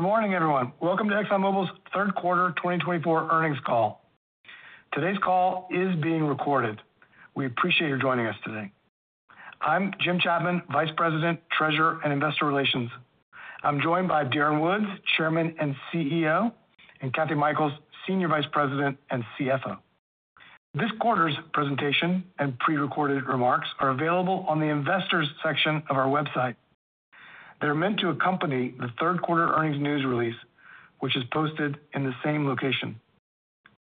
Good morning, everyone. Welcome to Exxon Mobil's third quarter 2024 earnings call. Today's call is being recorded. We appreciate your joining us today. I'm Jim Chapman, Vice President, Treasurer and Investor Relations. I'm joined by Darren Woods, Chairman and CEO, and Kathy Mikells, Senior Vice President and CFO. This quarter's presentation and prerecorded remarks are available on the Investors section of our website. They're meant to accompany the third quarter earnings news release, which is posted in the same location.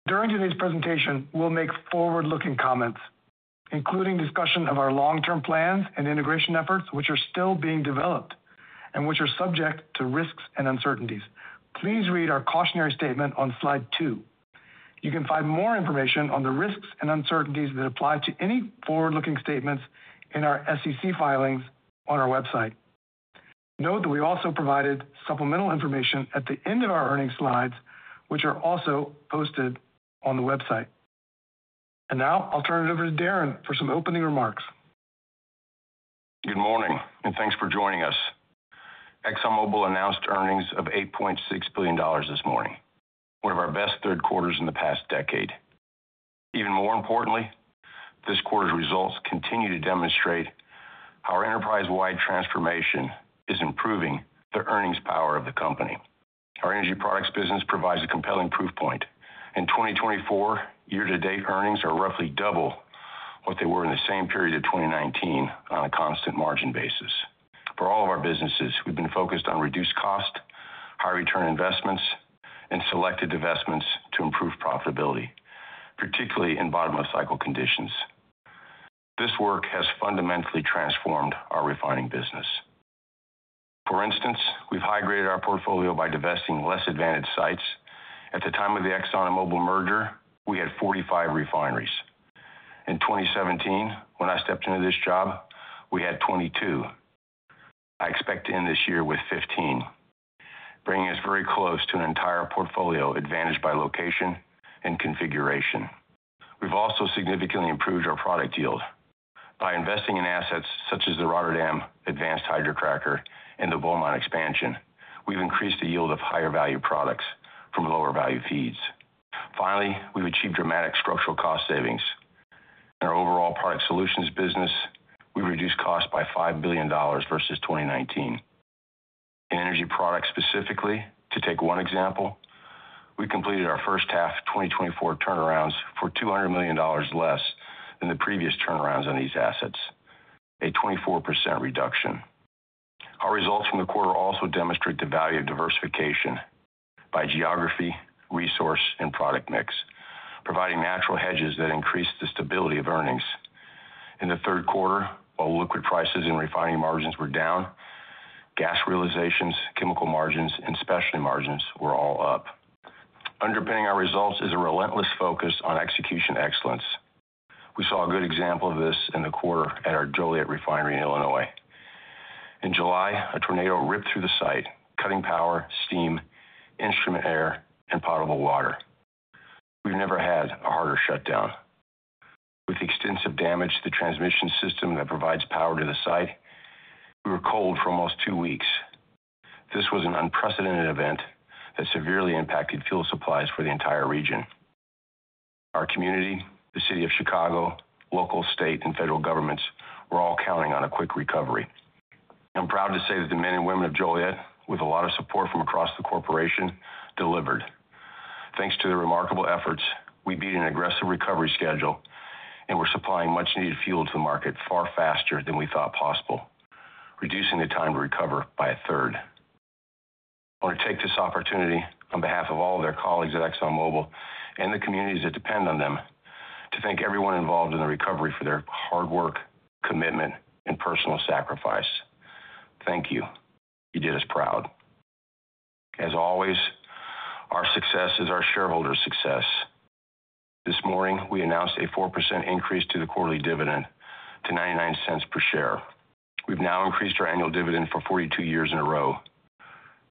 During today's presentation, we'll make forward-looking comments, including discussion of our long-term plans and integration efforts, which are still being developed and which are subject to risks and uncertainties. Please read our cautionary statement on slide two. You can find more information on the risks and uncertainties that apply to any forward-looking statements in our SEC filings on our website. Note that we also provided supplemental information at the end of our earnings slides, which are also posted on the website, and now I'll turn it over to Darren for some opening remarks. Good morning, and thanks for joining us. Exxon Mobil announced earnings of $8.6 billion this morning, one of our best third quarters in the past decade. Even more importantly, this quarter's results continue to demonstrate how our enterprise-wide transformation is improving the earnings power of the company. Our energy products business provides a compelling proof point. In 2024, year-to-date earnings are roughly double what they were in the same period of 2019 on a constant margin basis. For all of our businesses, we've been focused on reduced cost, high-return investments, and selected divestments to improve profitability, particularly in bottom-of-cycle conditions. This work has fundamentally transformed our refining business. For instance, we've high-graded our portfolio by divesting less advantaged sites. At the time of the Exxon and Mobil merger, we had 45 refineries. In 2017, when I stepped into this job, we had 22. I expect to end this year with 15, bringing us very close to an entire portfolio advantaged by location and configuration. We've also significantly improved our product yield. By investing in assets such as the Rotterdam Advanced Hydrocracker and the Beaumont expansion, we've increased the yield of higher-value products from lower-value feeds. Finally, we've achieved dramatic structural cost savings. In our overall product solutions business, we've reduced costs by $5 billion versus 2019. In energy products specifically, to take one example, we completed our first half 2024 turnarounds for $200 million less than the previous turnarounds on these assets, a 24% reduction. Our results from the quarter also demonstrate the value of diversification by geography, resource, and product mix, providing natural hedges that increase the stability of earnings. In the third quarter, while liquid prices and refining margins were down, gas realizations, chemical margins, and specialty margins were all up. Underpinning our results is a relentless focus on execution excellence. We saw a good example of this in the quarter at our Joliet refinery in Illinois. In July, a tornado ripped through the site, cutting power, steam, instrument air, and potable water. We've never had a harder shutdown. With the extensive damage to the transmission system that provides power to the site, we were cold for almost two weeks. This was an unprecedented event that severely impacted fuel supplies for the entire region. Our community, the City of Chicago, local, state, and federal governments were all counting on a quick recovery. I'm proud to say that the men and women of Joliet, with a lot of support from across the corporation, delivered. Thanks to their remarkable efforts, we beat an aggressive recovery schedule and were supplying much-needed fuel to the market far faster than we thought possible, reducing the time to recover by a third. I want to take this opportunity on behalf of all of their colleagues at ExxonMobil and the communities that depend on them to thank everyone involved in the recovery for their hard work, commitment, and personal sacrifice. Thank you. You did us proud. As always, our success is our shareholders' success. This morning, we announced a 4% increase to the quarterly dividend to $0.99 per share. We've now increased our annual dividend for 42 years in a row,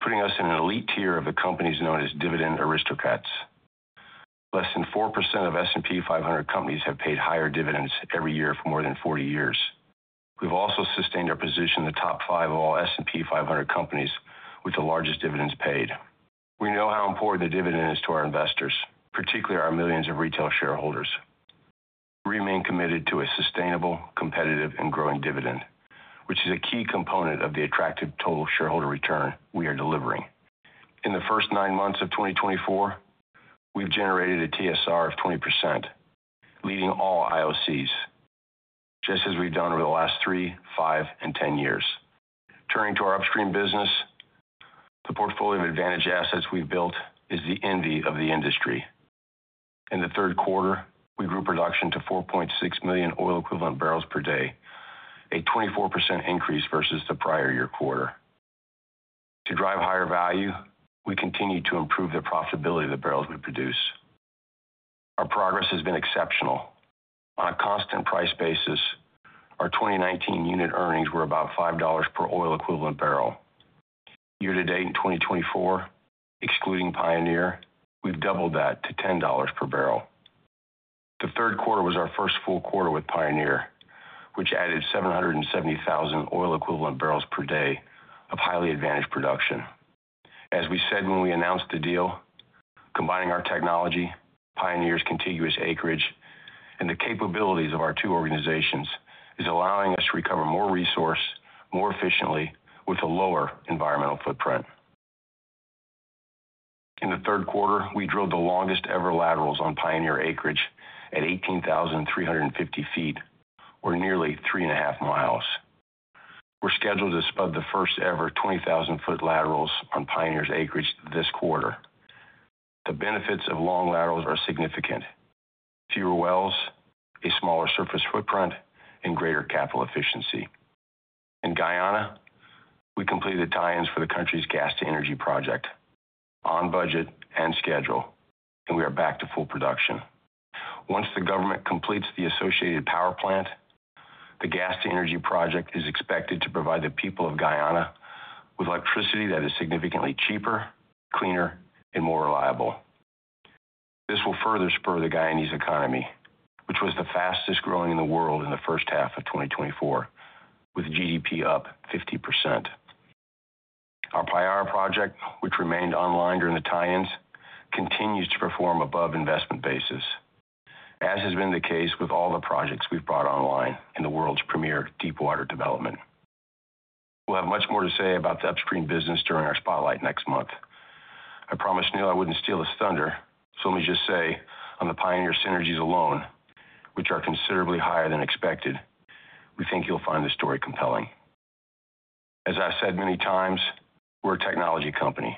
putting us in an elite tier of the companies known as Dividend Aristocrats. Less than 4% of S&P 500 companies have paid higher dividends every year for more than 40 years. We've also sustained our position in the top five of all S&P 500 companies with the largest dividends paid. We know how important the dividend is to our investors, particularly our millions of retail shareholders. We remain committed to a sustainable, competitive, and growing dividend, which is a key component of the attractive total shareholder return we are delivering. In the first nine months of 2024, we've generated a TSR of 20%, leading all IOCs, just as we've done over the last three, five, and ten years. Turning to our Upstream business, the portfolio of advantage assets we've built is the envy of the industry. In the third quarter, we grew production to 4.6 million oil-equivalent barrels per day, a 24% increase versus the prior year quarter. To drive higher value, we continue to improve the profitability of the barrels we produce. Our progress has been exceptional. On a constant price basis, our 2019 unit earnings were about $5 per oil-equivalent barrel. Year-to-date in 2024, excluding Pioneer, we've doubled that to $10 per barrel. The third quarter was our first full quarter with Pioneer, which added 770,000 oil-equivalent barrels per day of highly advantaged production. As we said when we announced the deal, combining our technology, Pioneer's contiguous acreage, and the capabilities of our two organizations is allowing us to recover more resource more efficiently with a lower environmental footprint. In the third quarter, we drilled the longest-ever laterals on Pioneer acreage at 18,350 feet, or nearly three and a half miles. We're scheduled to spud the first-ever 20,000 ft laterals on Pioneer's acreage this quarter. The benefits of long laterals are significant: fewer wells, a smaller surface footprint, and greater capital efficiency. In Guyana, we completed the tie-ins for the country's gas-to-energy project on budget and schedule, and we are back to full production. Once the government completes the associated power plant, the gas-to-energy project is expected to provide the people of Guyana with electricity that is significantly cheaper, cleaner, and more reliable. This will further spur the Guyanese economy, which was the fastest growing in the world in the first half of 2024, with GDP up 50%. Our Payara project, which remained online during the tie-ins, continues to perform above investment basis, as has been the case with all the projects we've brought online in the world's premier deep-water development. We'll have much more to say about the Upstream business during our spotlight next month. I promised Neil I wouldn't steal his thunder, so let me just say, on the Pioneer synergies alone, which are considerably higher than expected, we think you'll find the story compelling. As I've said many times, we're a technology company.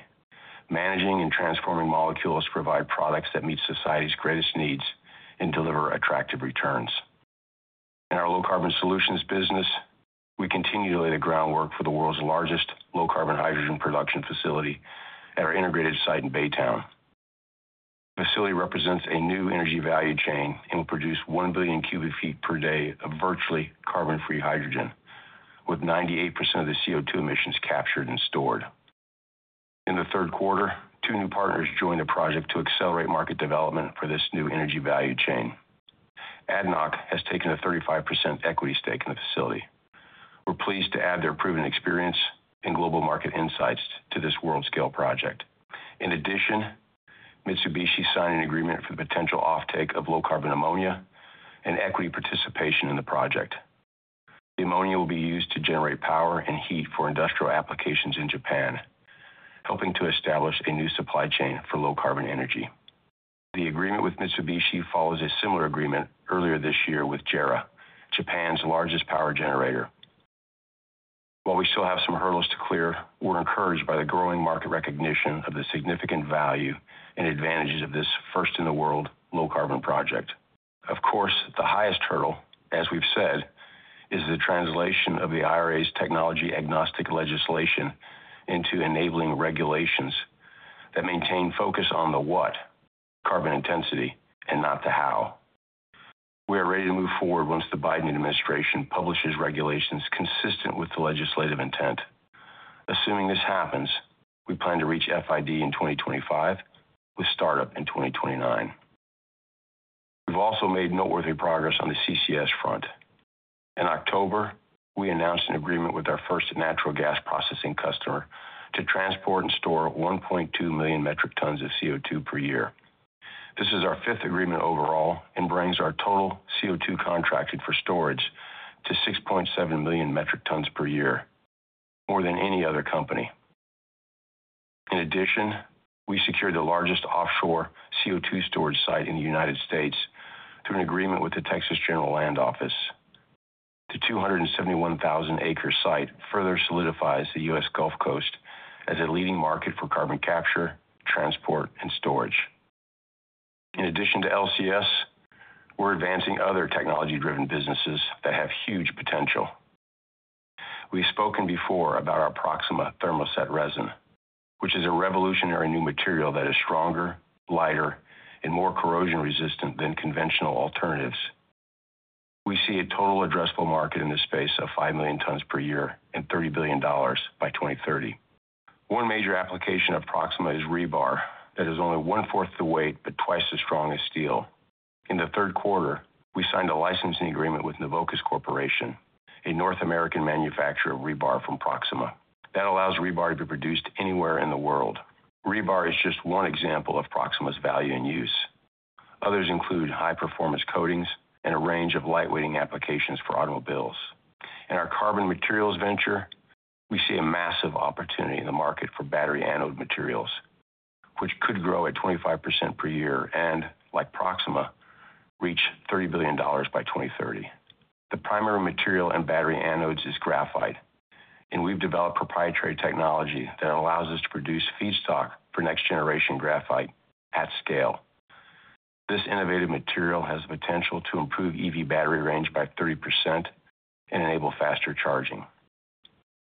Managing and transforming molecules provide products that meet society's greatest needs and deliver attractive returns. In our low-carbon solutions business, we continue to lay the groundwork for the world's largest low-carbon hydrogen production facility at our integrated site in Baytown. The facility represents a new energy value chain and will produce one billion cubic feet per day of virtually carbon-free hydrogen, with 98% of the CO2 emissions captured and stored. In the third quarter, two new partners joined the project to accelerate market development for this new energy value chain. ADNOC has taken a 35% equity stake in the facility. We're pleased to add their proven experience and global market insights to this world-scale project. In addition, Mitsubishi signed an agreement for the potential offtake of low-carbon ammonia and equity participation in the project. The ammonia will be used to generate power and heat for industrial applications in Japan, helping to establish a new supply chain for low-carbon energy. The agreement with Mitsubishi follows a similar agreement earlier this year with JERA, Japan's largest power generator. While we still have some hurdles to clear, we're encouraged by the growing market recognition of the significant value and advantages of this first-in-the-world low-carbon project. Of course, the highest hurdle, as we've said, is the translation of the IRA's technology-agnostic legislation into enabling regulations that maintain focus on the what, carbon intensity, and not the how. We are ready to move forward once the Biden administration publishes regulations consistent with the legislative intent. Assuming this happens, we plan to reach FID in 2025 with startup in 2029. We've also made noteworthy progress on the CCS front. In October, we announced an agreement with our first natural gas processing customer to transport and store 1.2 million metric tons of CO2 per year. This is our fifth agreement overall and brings our total CO2 contracted for storage to 6.7 million metric tons per year, more than any other company. In addition, we secured the largest offshore CO2 storage site in the United States through an agreement with the Texas General Land Office. The 271,000-acre site further solidifies the U.S. Gulf Coast as a leading market for carbon capture, transport, and storage. In addition to CCS, we're advancing other technology-driven businesses that have huge potential. We've spoken before about our Proxima thermoset resin, which is a revolutionary new material that is stronger, lighter, and more corrosion-resistant than conventional alternatives. We see a total addressable market in this space of five million tons per year and $30 billion by 2030. One major application of Proxima is rebar that is only one-fourth the weight but twice as strong as steel. In the third quarter, we signed a licensing agreement with Neuvokas Corporation, a North American manufacturer of rebar from Proxima. That allows rebar to be produced anywhere in the world. Rebar is just one example of Proxima's value and use. Others include high-performance coatings and a range of lightweighting applications for automobiles. In our carbon materials venture, we see a massive opportunity in the market for battery anode materials, which could grow at 25% per year and, like Proxima, reach $30 billion by 2030. The primary material in battery anodes is graphite, and we've developed proprietary technology that allows us to produce feedstock for next-generation graphite at scale. This innovative material has the potential to improve EV battery range by 30% and enable faster charging.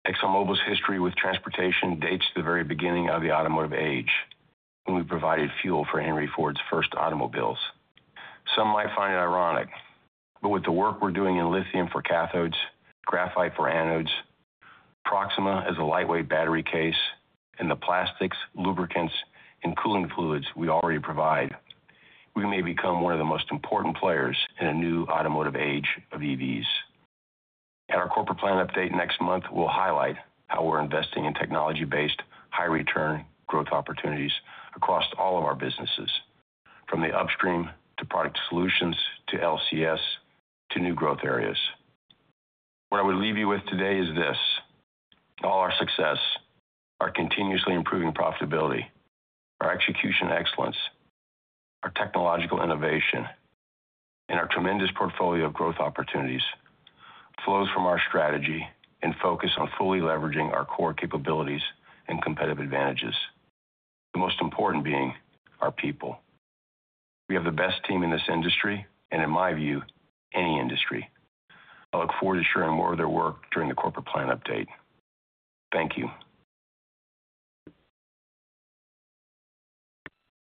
Exxon Mobil's history with transportation dates to the very beginning of the automotive age, when we provided fuel for Henry Ford's first automobiles. Some might find it ironic, but with the work we're doing in lithium for cathodes, graphite for anodes, Proxima as a lightweight battery case, and the plastics, lubricants, and cooling fluids we already provide, we may become one of the most important players in a new automotive age of EVs. At our corporate plan update next month, we'll highlight how we're investing in technology-based, high-return growth opportunities across all of our businesses, from the Upstream to product solutions to LCS to new growth areas. What I would leave you with today is this: all our success, our continuously improving profitability, our execution excellence, our technological innovation, and our tremendous portfolio of growth opportunities flows from our strategy and focus on fully leveraging our core capabilities and competitive advantages, the most important being our people. We have the best team in this industry and, in my view, any industry. I look forward to sharing more of their work during the corporate plan update. Thank you.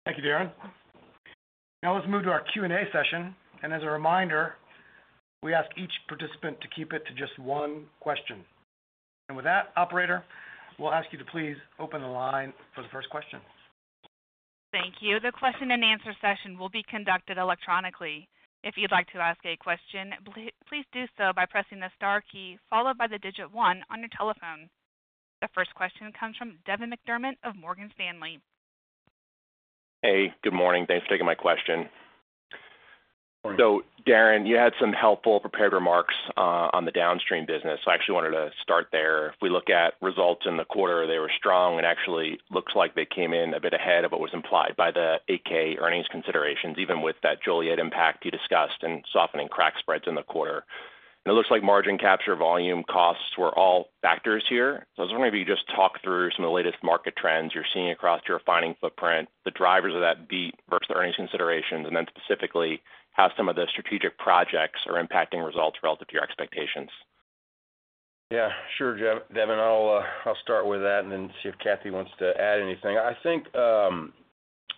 Thank you, Darren. Now let's move to our Q&A session. And as a reminder, we ask each participant to keep it to just one question. And with that, Operator, we'll ask you to please open the line for the first question. Thank you. The question-and-answer session will be conducted electronically. If you'd like to ask a question, please do so by pressing the star key followed by the digit one on your telephone. The first question comes from Devin McDermott of Morgan Stanley. Hey, good morning. Thanks for taking my question. Good morning. So, Darren, you had some helpful prepared remarks on the downstream business. I actually wanted to start there. If we look at results in the quarter, they were strong, and actually looks like they came in a bit ahead of what was implied by the 8-K earnings considerations, even with that Joliet impact you discussed and softening crack spreads in the quarter. And it looks like margin capture, volume, costs were all factors here. So I was wondering if you could just talk through some of the latest market trends you're seeing across your refining footprint, the drivers of that beat versus the earnings considerations, and then specifically how some of the strategic projects are impacting results relative to your expectations. Yeah, sure, Devin. I'll start with that and then see if Kathy wants to add anything. I think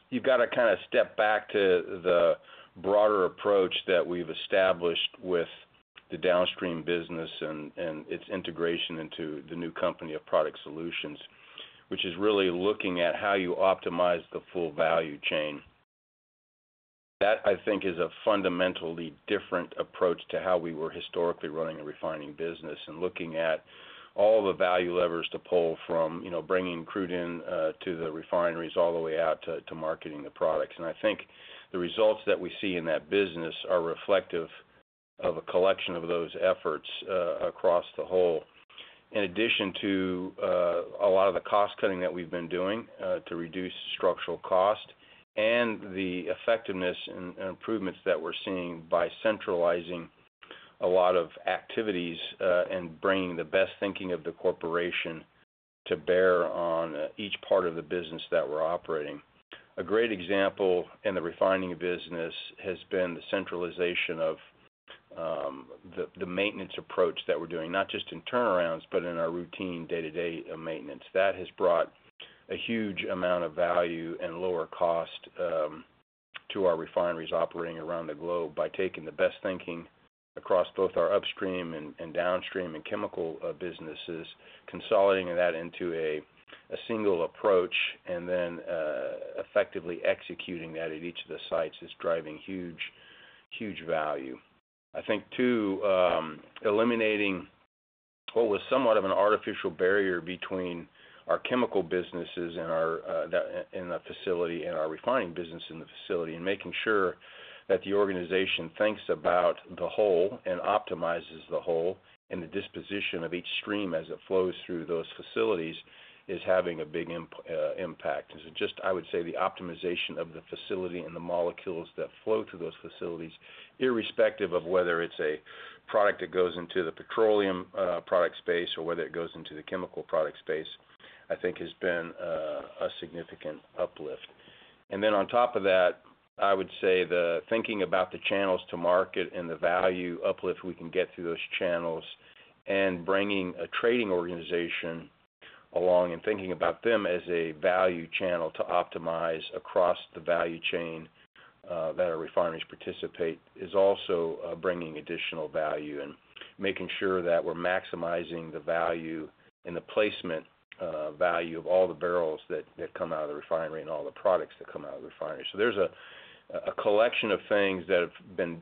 you've got to kind of step back to the broader approach that we've established with the downstream business and its integration into the new company of product solutions, which is really looking at how you optimize the full value chain. That, I think, is a fundamentally different approach to how we were historically running a refining business and looking at all the value levers to pull from bringing crude in to the refineries all the way out to marketing the products. I think the results that we see in that business are reflective of a collection of those efforts across the whole, in addition to a lot of the cost-cutting that we've been doing to reduce structural cost and the effectiveness and improvements that we're seeing by centralizing a lot of activities and bringing the best thinking of the corporation to bear on each part of the business that we're operating. A great example in the refining business has been the centralization of the maintenance approach that we're doing, not just in turnarounds, but in our routine day-to-day maintenance. That has brought a huge amount of value and lower cost to our refineries operating around the globe by taking the best thinking across both our Upstream and downstream and chemical businesses, consolidating that into a single approach, and then effectively executing that at each of the sites is driving huge, huge value. I think, too, eliminating what was somewhat of an artificial barrier between our chemical businesses in the facility and our refining business in the facility and making sure that the organization thinks about the whole and optimizes the whole and the disposition of each stream as it flows through those facilities is having a big impact. And so just, I would say, the optimization of the facility and the molecules that flow through those facilities, irrespective of whether it's a product that goes into the petroleum product space or whether it goes into the chemical product space, I think has been a significant uplift. And then on top of that, I would say the thinking about the channels to market and the value uplift we can get through those channels and bringing a trading organization along and thinking about them as a value channel to optimize across the value chain that our refineries participate is also bringing additional value and making sure that we're maximizing the value and the placement value of all the barrels that come out of the refinery and all the products that come out of the refinery. So there's a collection of things that have been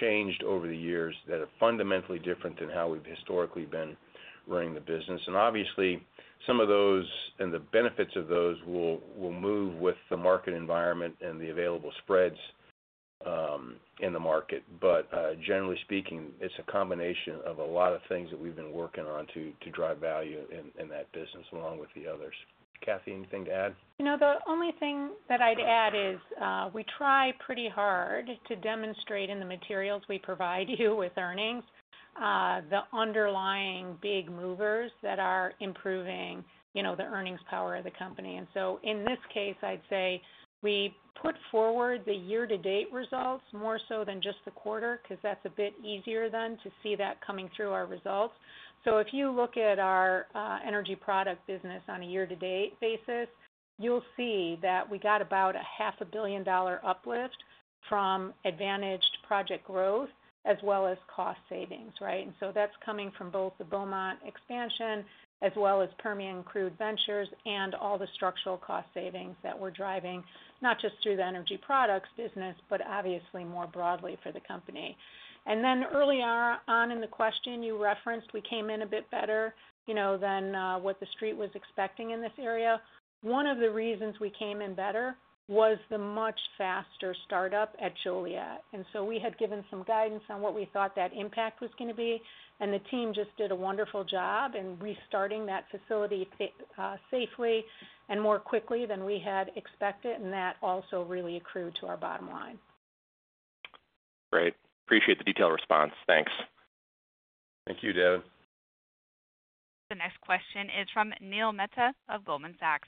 changed over the years that are fundamentally different than how we've historically been running the business. And obviously, some of those and the benefits of those will move with the market environment and the available spreads in the market. But generally speaking, it's a combination of a lot of things that we've been working on to drive value in that business along with the others. Kathy, anything to add? The only thing that I'd add is we try pretty hard to demonstrate in the materials we provide you with earnings the underlying big movers that are improving the earnings power of the company. In this case, I'd say we put forward the year-to-date results more so than just the quarter because that's a bit easier then to see that coming through our results. If you look at our energy product business on a year-to-date basis, you'll see that we got about a $500 million uplift from advantaged project growth as well as cost savings, right? That's coming from both the Beaumont expansion as well as Permian Crude Ventures and all the structural cost savings that we're driving, not just through the energy products business, but obviously more broadly for the company. And then early on in the question, you referenced we came in a bit better than what the street was expecting in this area. One of the reasons we came in better was the much faster startup at Joliet. And so we had given some guidance on what we thought that impact was going to be, and the team just did a wonderful job in restarting that facility safely and more quickly than we had expected, and that also really accrued to our bottom line. Great. Appreciate the detailed response. Thanks. Thank you, Devin. The next question is from Neil Mehta of Goldman Sachs.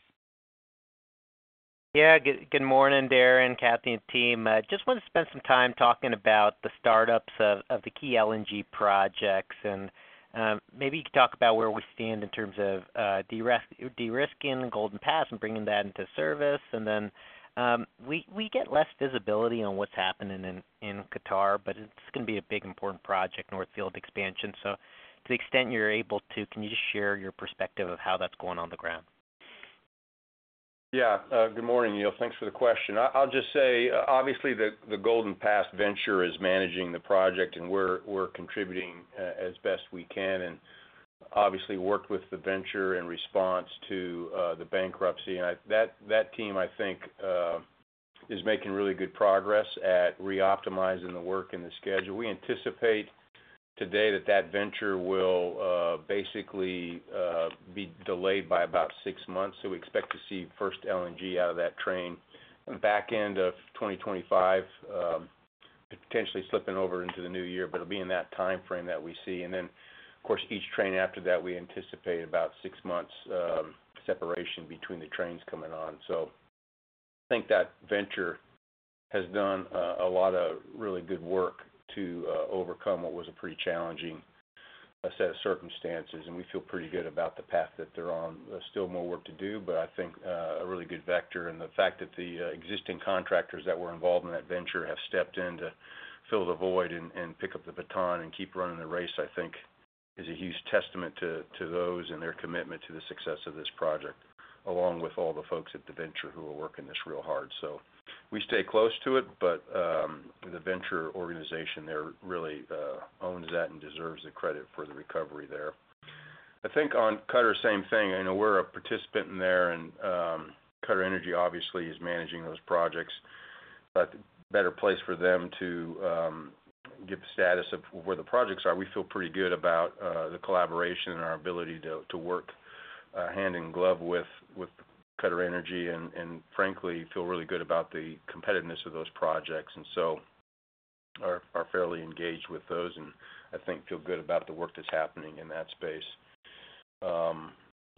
Yeah, good morning, Darren, Kathy, and team. Just wanted to spend some time talking about the startups of the key LNG projects. Maybe you could talk about where we stand in terms of de-risking Golden Pass and bringing that into service. Then we get less visibility on what's happening in Qatar, but it's going to be a big important project, North Field expansion. To the extent you're able to, can you just share your perspective of how that's going on the ground? Yeah, good morning, Neil. Thanks for the question. I'll just say, obviously, the Golden Pass venture is managing the project, and we're contributing as best we can and obviously worked with the venture in response to the bankruptcy. And that team, I think, is making really good progress at re-optimizing the work and the schedule. We anticipate today that that venture will basically be delayed by about six months. So we expect to see first LNG out of that train back end of 2025, potentially slipping over into the new year, but it'll be in that timeframe that we see. And then, of course, each train after that, we anticipate about six months separation between the trains coming on. So I think that venture has done a lot of really good work to overcome what was a pretty challenging set of circumstances, and we feel pretty good about the path that they're on. There's still more work to do, but I think a really good vector. And the fact that the existing contractors that were involved in that venture have stepped in to fill the void and pick up the baton and keep running the race, I think, is a huge testament to those and their commitment to the success of this project, along with all the folks at the venture who are working this real hard. So we stay close to it, but the venture organization there really owns that and deserves the credit for the recovery there. I think on QatarEnergy, same thing. I know we're a participant in there, and QatarEnergy obviously is managing those projects. But better place for them to give status of where the projects are. We feel pretty good about the collaboration and our ability to work hand in glove with QatarEnergy and, frankly, feel really good about the competitiveness of those projects. And so are fairly engaged with those and, I think, feel good about the work that's happening in that space.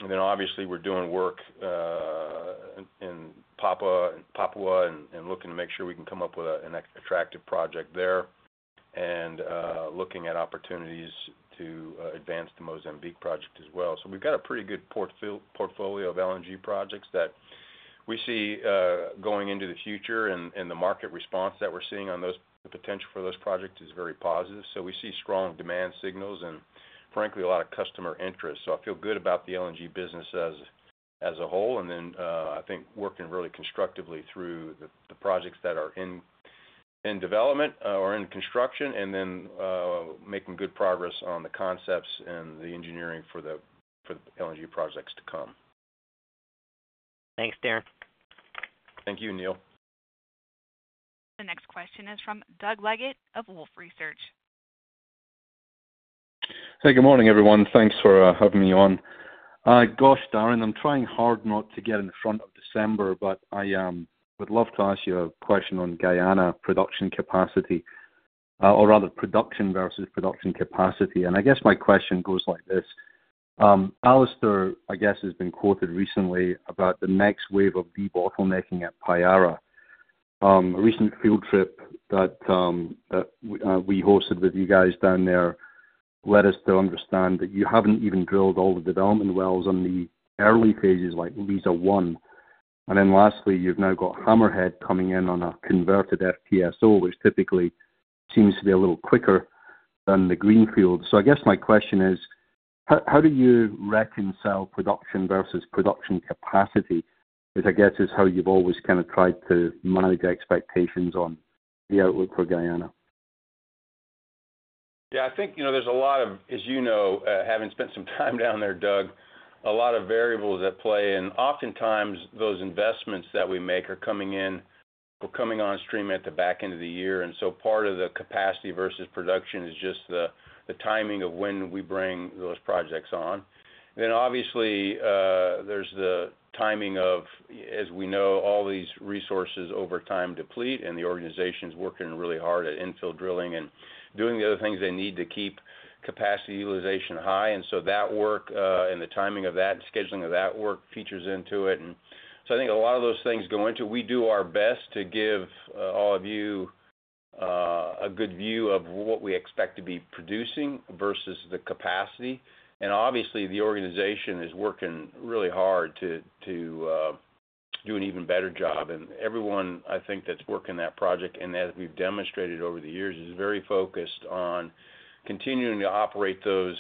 And then, obviously, we're doing work in Papua and looking to make sure we can come up with an attractive project there and looking at opportunities to advance the Mozambique project as well. So we've got a pretty good portfolio of LNG projects that we see going into the future, and the market response that we're seeing on the potential for those projects is very positive. So we see strong demand signals and, frankly, a lot of customer interest. So I feel good about the LNG business as a whole. And then I think working really constructively through the projects that are in development or in construction and then making good progress on the concepts and the engineering for the LNG projects to come. Thanks, Darren. Thank you, Neil. The next question is from Doug Leggett of Wolfe Research. Hey, good morning, everyone. Thanks for having me on. Gosh, Darren, I'm trying hard not to get in front of December, but I would love to ask you a question on Guyana production capacity, or rather production versus production capacity. And I guess my question goes like this: Alistair, I guess, has been quoted recently about the next wave of de-bottlenecking at Payara. A recent field trip that we hosted with you guys down there led us to understand that you haven't even drilled all the development wells in the early phases like Liza One. And then lastly, you've now got Hammerhead coming in on a converted FPSO, which typically seems to be a little quicker than the greenfield. I guess my question is, how do you reconcile production versus production capacity, which I guess is how you've always kind of tried to manage expectations on the outlook for Guyana? Yeah, I think there's a lot of, as you know, having spent some time down there, Doug, a lot of variables at play. And oftentimes, those investments that we make are coming in or coming on stream at the back end of the year. And so part of the capacity versus production is just the timing of when we bring those projects on. Then, obviously, there's the timing of, as we know, all these resources over time deplete, and the organization's working really hard at infill drilling and doing the other things they need to keep capacity utilization high. And so that work and the timing of that and scheduling of that work features into it. And so I think a lot of those things go into it. We do our best to give all of you a good view of what we expect to be producing versus the capacity. And obviously, the organization is working really hard to do an even better job. And everyone, I think, that's working that project, and as we've demonstrated over the years, is very focused on continuing to operate those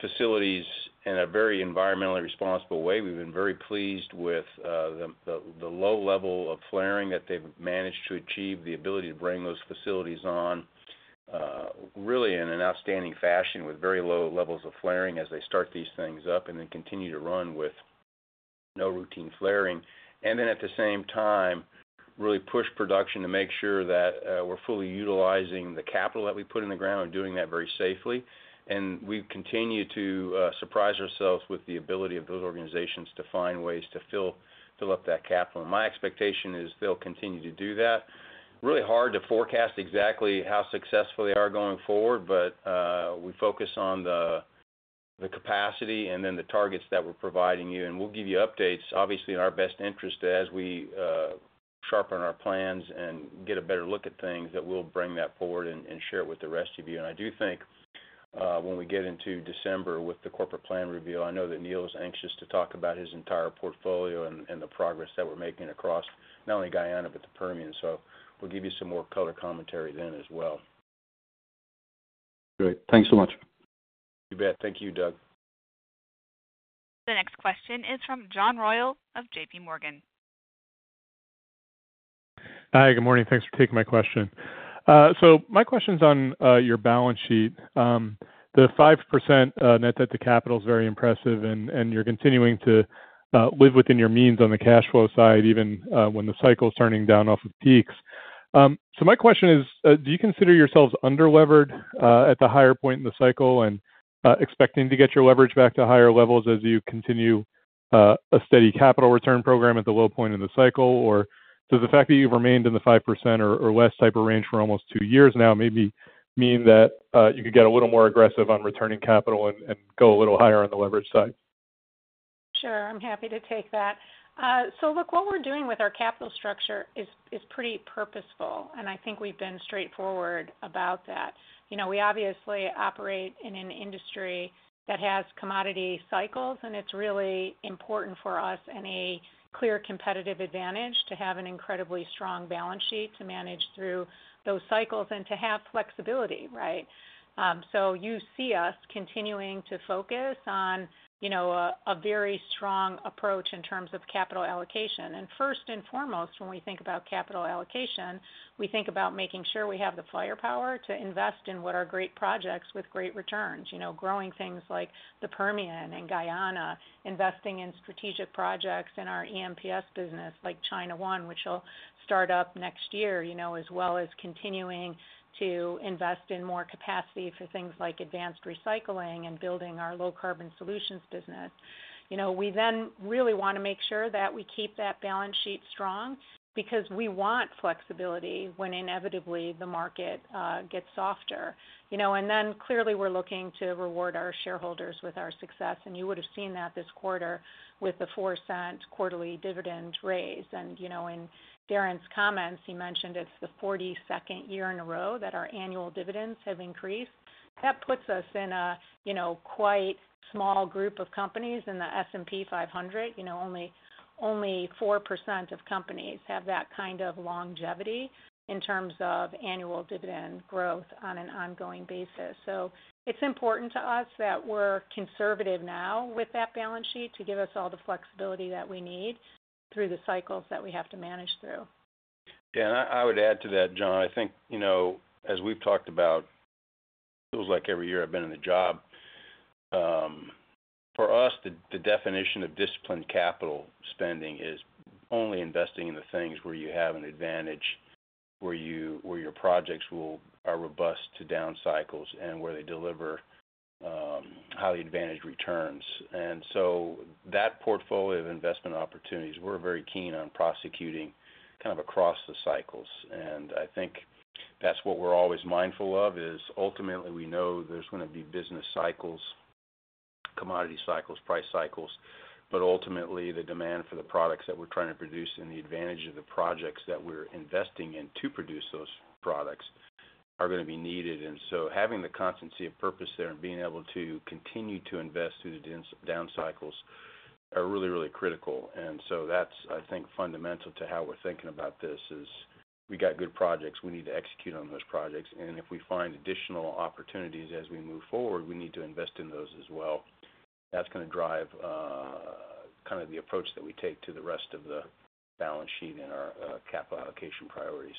facilities in a very environmentally responsible way. We've been very pleased with the low level of flaring that they've managed to achieve, the ability to bring those facilities on really in an outstanding fashion with very low levels of flaring as they start these things up and then continue to run with no routine flaring. And then, at the same time, really push production to make sure that we're fully utilizing the capital that we put in the ground and doing that very safely. And we continue to surprise ourselves with the ability of those organizations to find ways to fill up that capital. And my expectation is they'll continue to do that. Really hard to forecast exactly how successful they are going forward, but we focus on the capacity and then the targets that we're providing you. And we'll give you updates, obviously, in our best interest as we sharpen our plans and get a better look at things that we'll bring that forward and share it with the rest of you. And I do think when we get into December with the corporate plan reveal, I know that Neil is anxious to talk about his entire portfolio and the progress that we're making across not only Guyana but the Permian. So we'll give you some more color commentary then as well. Great. Thanks so much. You bet. Thank you, Doug. The next question is from John Royall of JPMorgan. Hi, good morning. Thanks for taking my question. So my question's on your balance sheet. The 5% net debt to capital is very impressive, and you're continuing to live within your means on the cash flow side even when the cycle's turning down off of peaks. So my question is, do you consider yourselves under-levered at the higher point in the cycle and expecting to get your leverage back to higher levels as you continue a steady capital return program at the low point in the cycle? Or does the fact that you've remained in the 5% or less type of range for almost two years now maybe mean that you could get a little more aggressive on returning capital and go a little higher on the leverage side? Sure. I'm happy to take that. So look, what we're doing with our capital structure is pretty purposeful, and I think we've been straightforward about that. We obviously operate in an industry that has commodity cycles, and it's really important for us and a clear competitive advantage to have an incredibly strong balance sheet to manage through those cycles and to have flexibility, right? So you see us continuing to focus on a very strong approach in terms of capital allocation. And first and foremost, when we think about capital allocation, we think about making sure we have the firepower to invest in what are great projects with great returns, growing things like the Permian and Guyana, investing in strategic projects in our EMPS business like China One, which will start up next year, as well as continuing to invest in more capacity for things like advanced recycling and building our low-carbon solutions business. We then really want to make sure that we keep that balance sheet strong because we want flexibility when inevitably the market gets softer. And then clearly, we're looking to reward our shareholders with our success. And you would have seen that this quarter with the $0.04 quarterly dividend raise. And in Darren's comments, he mentioned it's the 42nd year in a row that our annual dividends have increased. That puts us in a quite small group of companies in the S&P 500. Only 4% of companies have that kind of longevity in terms of annual dividend growth on an ongoing basis. So it's important to us that we're conservative now with that balance sheet to give us all the flexibility that we need through the cycles that we have to manage through. Yeah, and I would add to that, John. I think as we've talked about, it feels like every year I've been in the job. For us, the definition of disciplined capital spending is only investing in the things where you have an advantage, where your projects are robust to down cycles and where they deliver highly advantaged returns. And so that portfolio of investment opportunities, we're very keen on prosecuting kind of across the cycles. And I think that's what we're always mindful of, is ultimately, we know there's going to be business cycles, commodity cycles, price cycles. But ultimately, the demand for the products that we're trying to produce and the advantage of the projects that we're investing in to produce those products are going to be needed. And so having the constancy of purpose there and being able to continue to invest through the down cycles are really, really critical. And so that's, I think, fundamental to how we're thinking about this, is we got good projects. We need to execute on those projects. And if we find additional opportunities as we move forward, we need to invest in those as well. That's going to drive kind of the approach that we take to the rest of the balance sheet and our capital allocation priorities.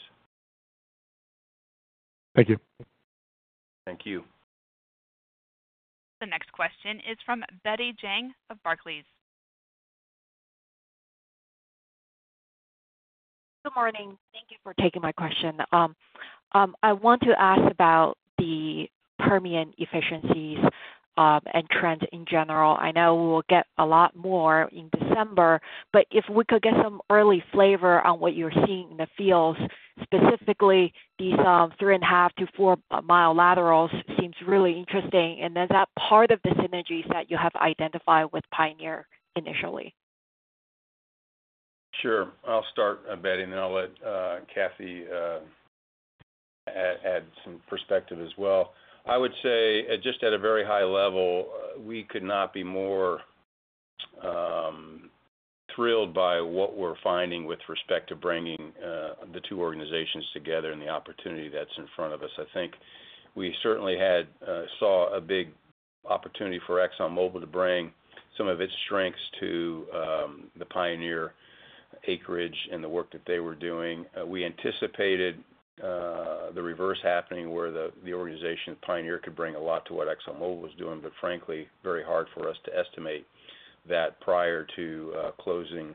Thank you. Thank you. The next question is from Betty Jiang of Barclays. Good morning. Thank you for taking my question. I want to ask about the Permian efficiencies and trends in general. I know we will get a lot more in December, but if we could get some early flavor on what you're seeing in the fields, specifically these 3.5-4-mile laterals seems really interesting, and then, is that part of the synergies that you have identified with Pioneer initially? Sure. I'll start, Betty, and I'll let Kathy add some perspective as well. I would say, just at a very high level, we could not be more thrilled by what we're finding with respect to bringing the two organizations together and the opportunity that's in front of us. I think we certainly saw a big opportunity for ExxonMobil to bring some of its strengths to the Pioneer acreage and the work that they were doing. We anticipated the reverse happening where the organization Pioneer could bring a lot to what ExxonMobil was doing, but frankly, very hard for us to estimate that prior to closing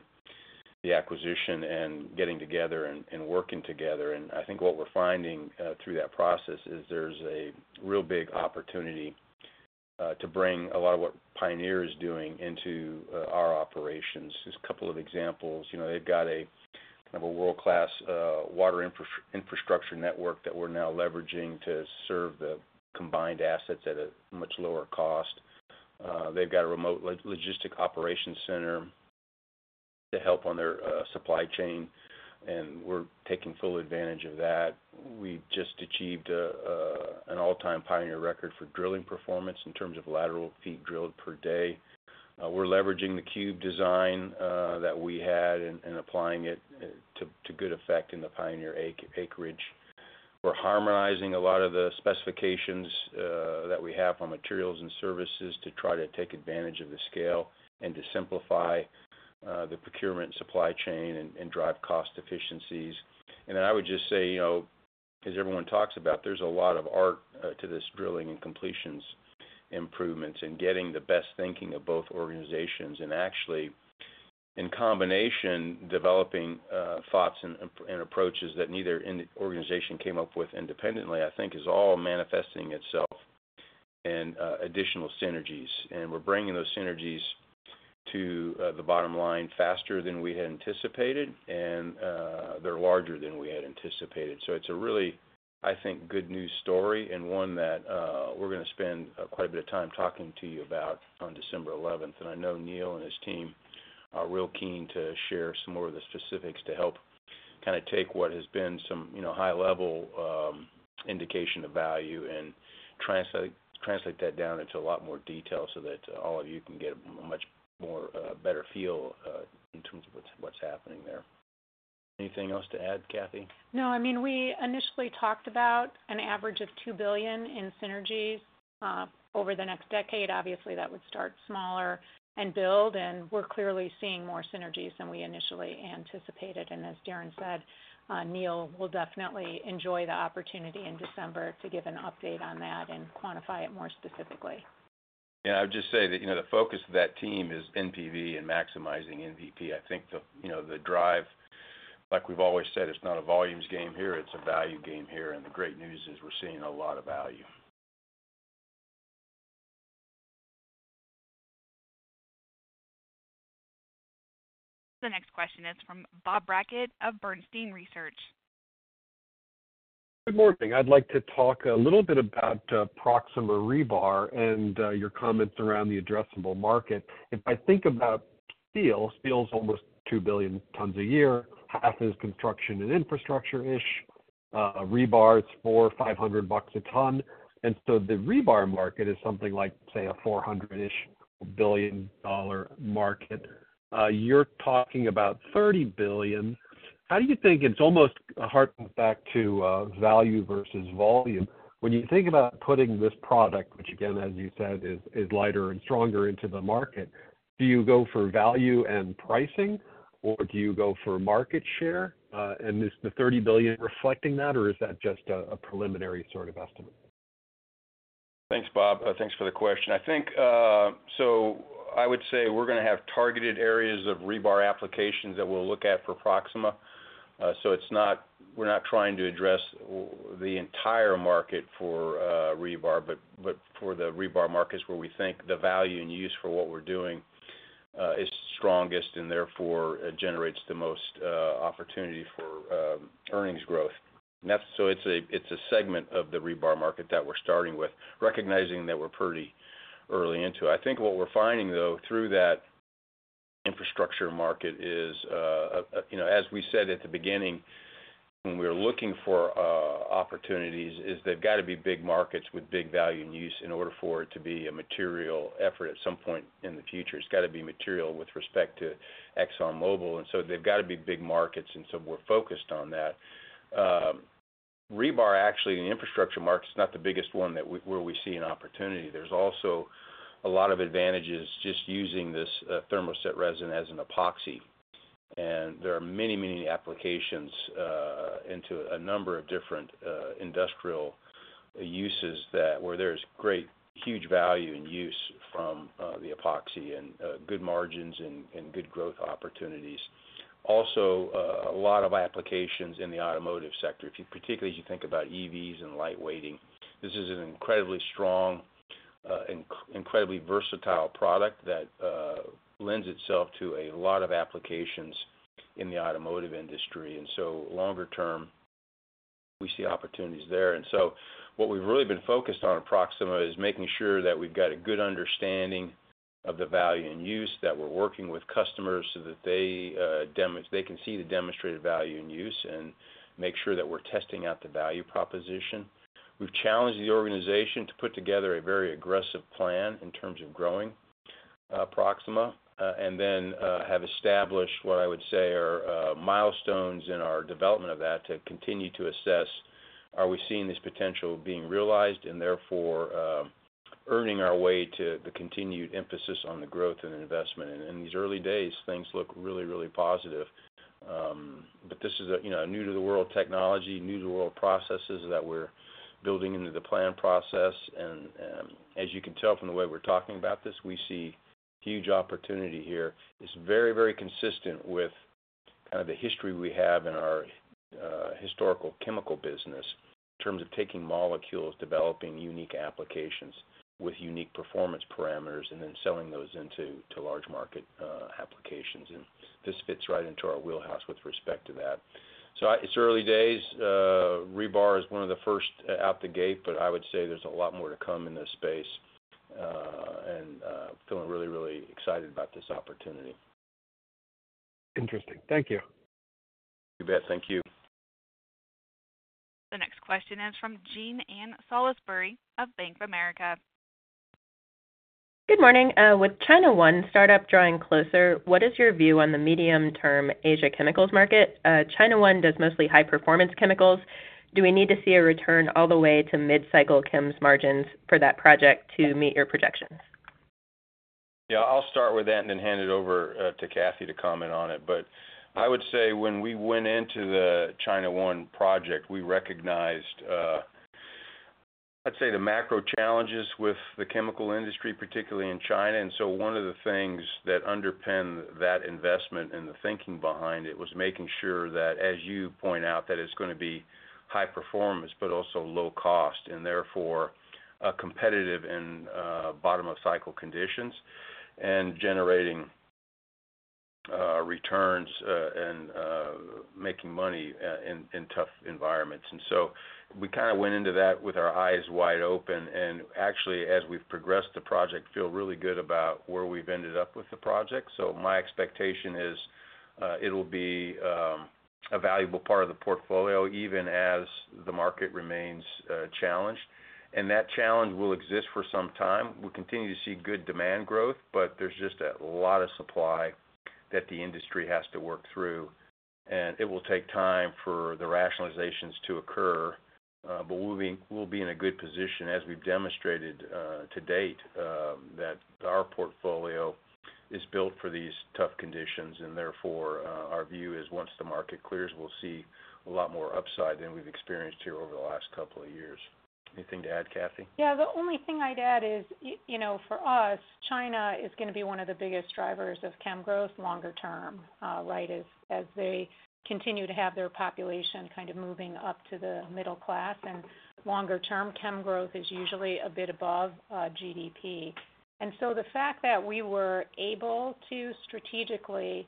the acquisition and getting together and working together. And I think what we're finding through that process is there's a real big opportunity to bring a lot of what Pioneer is doing into our operations. Just a couple of examples. They've got a kind of a world-class water infrastructure network that we're now leveraging to serve the combined assets at a much lower cost. They've got a remote logistic operations center to help on their supply chain, and we're taking full advantage of that. We just achieved an all-time Pioneer record for drilling performance in terms of lateral feet drilled per day. We're leveraging the cube design that we had and applying it to good effect in the Pioneer acreage. We're harmonizing a lot of the specifications that we have on materials and services to try to take advantage of the scale and to simplify the procurement supply chain and drive cost efficiencies, and then I would just say, as everyone talks about, there's a lot of art to this drilling and completions improvements and getting the best thinking of both organizations. Actually, in combination, developing thoughts and approaches that neither organization came up with independently, I think, is all manifesting itself in additional synergies. We're bringing those synergies to the bottom line faster than we had anticipated, and they're larger than we had anticipated. It's a really, I think, good news story and one that we're going to spend quite a bit of time talking to you about on December 11th. I know Neil and his team are real keen to share some more of the specifics to help kind of take what has been some high-level indication of value and translate that down into a lot more detail so that all of you can get a much better feel in terms of what's happening there. Anything else to add, Kathy? No, I mean, we initially talked about an average of $2 billion in synergies over the next decade. Obviously, that would start smaller and build. And we're clearly seeing more synergies than we initially anticipated. And as Darren said, Neil will definitely enjoy the opportunity in December to give an update on that and quantify it more specifically. Yeah, I would just say that the focus of that team is NPV and maximizing NPV. I think the drive, like we've always said, it's not a volumes game here. It's a value game here. And the great news is we're seeing a lot of value. The next question is from Bob Brackett of Bernstein Research. Good morning. I'd like to talk a little bit about Proxima Rebar and your comments around the addressable market. If I think about steel, steel's almost two billion tons a year. Half is construction and infrastructure-ish. Rebar's $4,500 a ton. And so the rebar market is something like, say, a $400-ish billion market. You're talking about $30 billion. How do you think it's almost harkened back to value versus volume? When you think about putting this product, which, again, as you said, is lighter and stronger into the market, do you go for value and pricing, or do you go for market share? And is the $30 billion reflecting that, or is that just a preliminary sort of estimate? Thanks, Bob. Thanks for the question, so I would say we're going to have targeted areas of rebar applications that we'll look at for Proxima. So we're not trying to address the entire market for rebar, but for the rebar markets where we think the value and use for what we're doing is strongest and therefore generates the most opportunity for earnings growth. So it's a segment of the rebar market that we're starting with, recognizing that we're pretty early into it. I think what we're finding, though, through that infrastructure market is, as we said at the beginning, when we're looking for opportunities, they've got to be big markets with big value and use in order for it to be a material effort at some point in the future. It's got to be material with respect to ExxonMobil, and so they've got to be big markets. And so we're focused on that. Rebar, actually, in the infrastructure market, it's not the biggest one where we see an opportunity. There's also a lot of advantages just using this thermoset resin as an epoxy. And there are many, many applications into a number of different industrial uses where there's great, huge value and use from the epoxy and good margins and good growth opportunities. Also, a lot of applications in the automotive sector, particularly as you think about EVs and lightweighting. This is an incredibly strong and incredibly versatile product that lends itself to a lot of applications in the automotive industry. And so longer term, we see opportunities there. And so what we've really been focused on at Proxima is making sure that we've got a good understanding of the value and use, that we're working with customers so that they can see the demonstrated value and use and make sure that we're testing out the value proposition. We've challenged the organization to put together a very aggressive plan in terms of growing Proxima and then have established what I would say are milestones in our development of that to continue to assess, are we seeing this potential being realized and therefore earning our way to the continued emphasis on the growth and investment. And in these early days, things look really, really positive. But this is a new-to-the-world technology, new-to-the-world processes that we're building into the plan process. And as you can tell from the way we're talking about this, we see huge opportunity here. It's very, very consistent with kind of the history we have in our historical chemical business in terms of taking molecules, developing unique applications with unique performance parameters, and then selling those into large market applications, and this fits right into our wheelhouse with respect to that, so it's early days. Rebar is one of the first out the gate, but I would say there's a lot more to come in this space, and I'm feeling really, really excited about this opportunity. Interesting. Thank you. Thank you. The next question is from Jean Ann Salisbury of Bank of America. Good morning. With China One startup drawing closer, what is your view on the medium-term Asia chemicals market? China One does mostly high-performance chemicals. Do we need to see a return all the way to mid-cycle chems margins for that project to meet your projections? Yeah, I'll start with that and then hand it over to Kathy to comment on it. But I would say when we went into the China One project, we recognized, I'd say, the macro challenges with the chemical industry, particularly in China. And so one of the things that underpinned that investment and the thinking behind it was making sure that, as you point out, that it's going to be high performance but also low cost and therefore competitive in bottom-of-cycle conditions and generating returns and making money in tough environments. And so we kind of went into that with our eyes wide open. And actually, as we've progressed, the project feels really good about where we've ended up with the project. So my expectation is it'll be a valuable part of the portfolio even as the market remains challenged. And that challenge will exist for some time. We'll continue to see good demand growth, but there's just a lot of supply that the industry has to work through. And it will take time for the rationalizations to occur. But we'll be in a good position, as we've demonstrated to date, that our portfolio is built for these tough conditions. And therefore, our view is once the market clears, we'll see a lot more upside than we've experienced here over the last couple of years. Anything to add, Kathy? Yeah, the only thing I'd add is for us, China is going to be one of the biggest drivers of chem growth longer term, right, as they continue to have their population kind of moving up to the middle class. And longer term, chem growth is usually a bit above GDP. And so the fact that we were able to strategically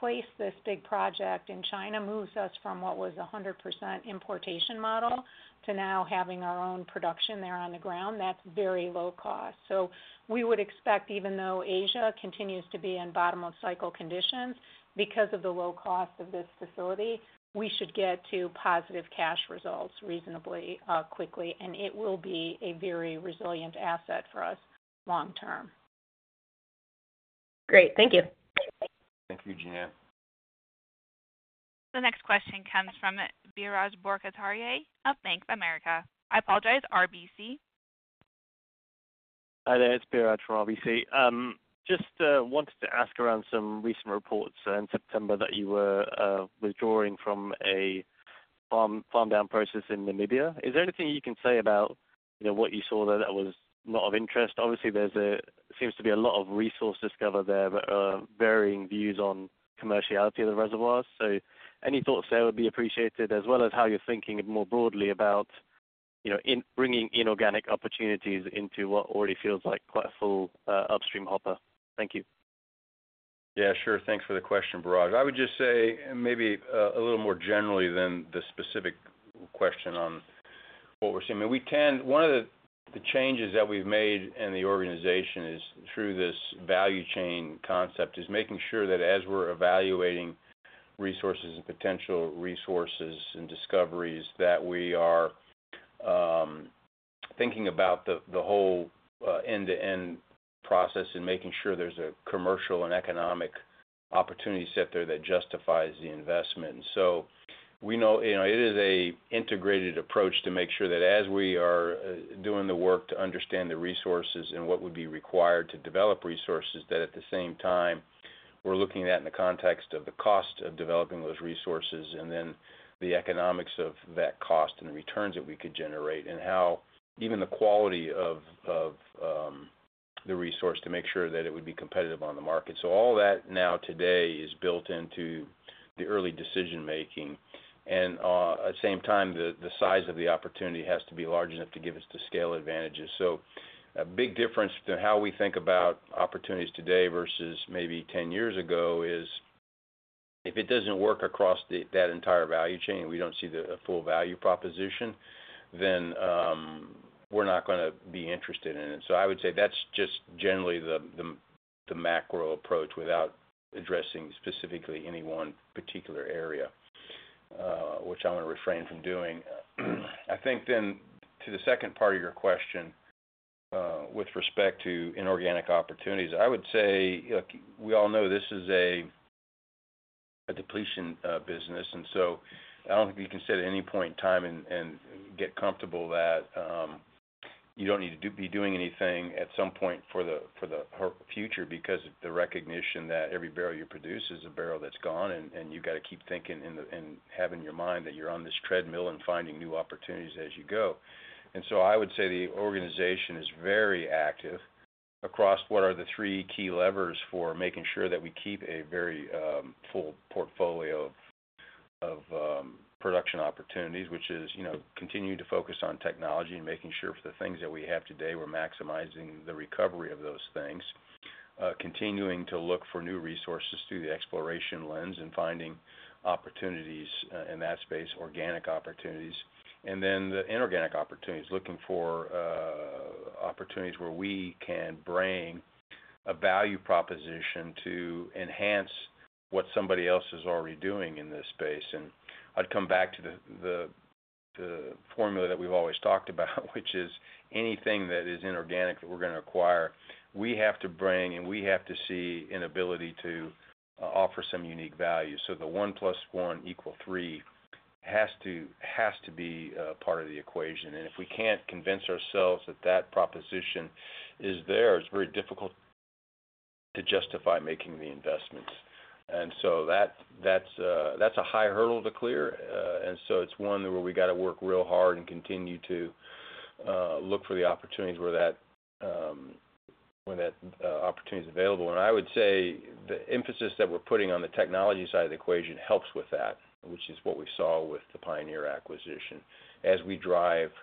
place this big project in China moves us from what was a 100% importation model to now having our own production there on the ground. That's very low cost. So we would expect, even though Asia continues to be in bottom-of-cycle conditions, because of the low cost of this facility, we should get to positive cash results reasonably quickly. And it will be a very resilient asset for us long term. Great. Thank you. Thank you, Jean Ann. The next question comes from Biraj Borkhataria of Bank of America. I apologize, RBC. Hi, there. It's Biraj from RBC. Just wanted to ask around some recent reports in September that you were withdrawing from a farm-down process in Namibia. Is there anything you can say about what you saw there that was not of interest? Obviously, there seems to be a lot of resource discovery there, but varying views on commerciality of the reservoirs. So any thoughts there would be appreciated, as well as how you're thinking more broadly about bringing inorganic opportunities into what already feels like quite a full Upstream hopper. Thank you. Yeah, sure. Thanks for the question, Biraj. I would just say maybe a little more generally than the specific question on what we're seeing. I mean, one of the changes that we've made in the organization through this value chain concept is making sure that as we're evaluating resources and potential resources and discoveries, that we are thinking about the whole end-to-end process and making sure there's a commercial and economic opportunity set there that justifies the investment. And so we know it is an integrated approach to make sure that as we are doing the work to understand the resources and what would be required to develop resources, that at the same time, we're looking at it in the context of the cost of developing those resources and then the economics of that cost and the returns that we could generate and even the quality of the resource to make sure that it would be competitive on the market. So all that now today is built into the early decision-making. And at the same time, the size of the opportunity has to be large enough to give us the scale advantages. So a big difference to how we think about opportunities today versus maybe 10 years ago is if it doesn't work across that entire value chain and we don't see the full value proposition, then we're not going to be interested in it. So I would say that's just generally the macro approach without addressing specifically any one particular area, which I'm going to refrain from doing. I think then to the second part of your question with respect to inorganic opportunities, I would say we all know this is a depletion business. And so I don't think you can sit at any point in time and get comfortable that you don't need to be doing anything at some point for the future because of the recognition that every barrel you produce is a barrel that's gone. And you've got to keep thinking and having your mind that you're on this treadmill and finding new opportunities as you go. And so I would say the organization is very active across what are the three key levers for making sure that we keep a very full portfolio of production opportunities, which is continuing to focus on technology and making sure for the things that we have today, we're maximizing the recovery of those things, continuing to look for new resources through the exploration lens and finding opportunities in that space, organic opportunities, and then the inorganic opportunities, looking for opportunities where we can bring a value proposition to enhance what somebody else is already doing in this space. I'd come back to the formula that we've always talked about, which is anything that is inorganic that we're going to acquire, we have to bring and we have to see an ability to offer some unique value. So the one plus one equal three has to be part of the equation. And if we can't convince ourselves that that proposition is there, it's very difficult to justify making the investments. And so that's a high hurdle to clear. And so it's one where we got to work real hard and continue to look for the opportunities where that opportunity is available. And I would say the emphasis that we're putting on the technology side of the equation helps with that, which is what we saw with the Pioneer acquisition. As we drive the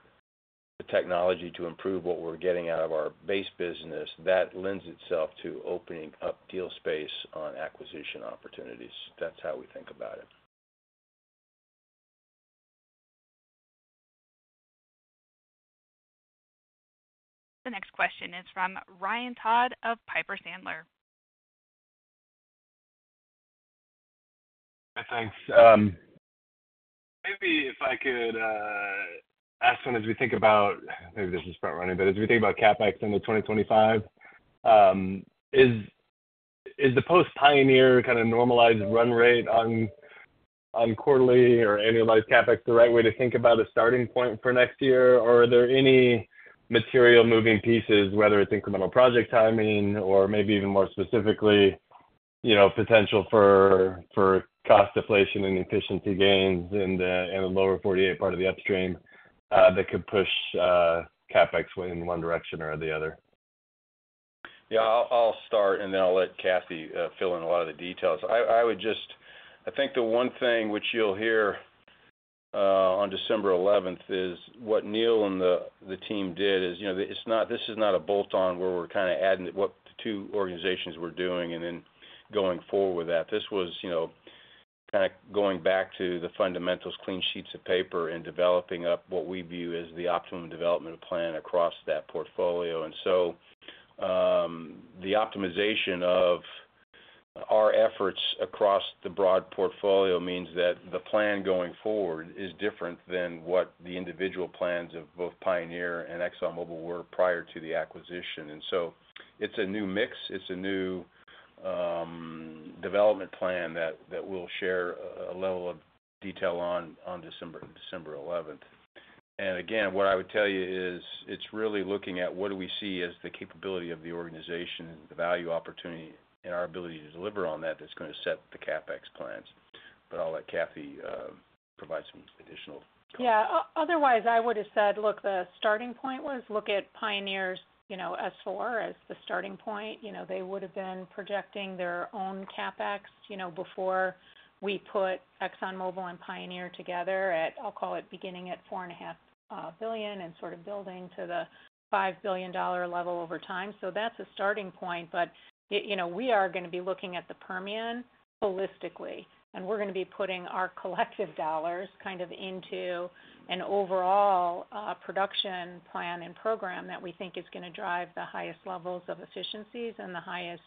technology to improve what we're getting out of our base business, that lends itself to opening up deal space on acquisition opportunities. That's how we think about it. The next question is from Ryan Todd of Piper Sandler. Thanks. Maybe if I could ask one as we think about maybe this is front-running, but as we think about CapEx into 2025, is the post-Pioneer kind of normalized run rate on quarterly or annualized CapEx the right way to think about a starting point for next year? Or are there any material moving pieces, whether it's incremental project timing or maybe even more specifically potential for cost deflation and efficiency gains in the Lower 48 part of the Upstream that could push CapEx in one direction or the other? Yeah, I'll start, and then I'll let Kathy fill in a lot of the details. I think the one thing which you'll hear on December 11th is what Neil and the team did is this is not a bolt-on where we're kind of adding what the two organizations were doing and then going forward with that. This was kind of going back to the fundamentals, clean sheets of paper, and developing up what we view as the optimum development plan across that portfolio, and so the optimization of our efforts across the broad portfolio means that the plan going forward is different than what the individual plans of both Pioneer and ExxonMobil were prior to the acquisition, and so it's a new mix. It's a new development plan that we'll share a level of detail on December 11th. And again, what I would tell you is it's really looking at what do we see as the capability of the organization and the value opportunity and our ability to deliver on that that's going to set the CapEx plans. But I'll let Kathy provide some additional comments. Yeah. Otherwise, I would have said, "Look, the starting point was look at Pioneer's S-4 as the starting point." They would have been projecting their own CapEx before we put ExxonMobil and Pioneer together at, I'll call it beginning at $4.5 billion and sort of building to the $5 billion level over time. So that's a starting point. But we are going to be looking at the Permian holistically. And we're going to be putting our collective dollars kind of into an overall production plan and program that we think is going to drive the highest levels of efficiencies and the highest